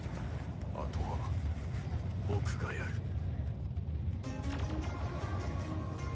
あとは僕がやる！